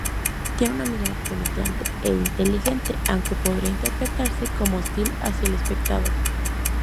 Tiene una mirada penetrante e inteligente, aunque podría interpretarse como hostil hacia el espectador.